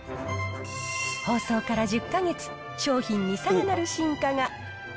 放送から１０か月、商品にさらなる進化が。